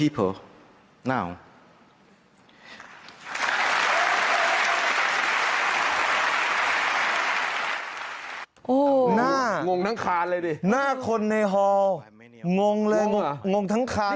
หน้างงทั้งคานเลยดิหน้าคนในฮองงเลยงงทั้งคาน